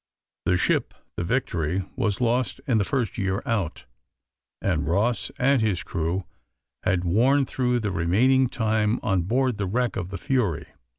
The ship the Victory was lost in the first year out, and Ross and his crew had worn through the remaining time on board the wreck of the Fury.